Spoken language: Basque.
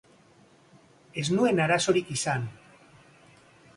Ez nuen arazorik izan.